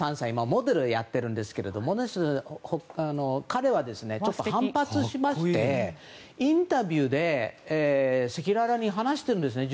モデルをやっているんですけど彼は、ちょっと反発しましてインタビューで赤裸々に話しているんですね